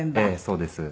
そうです。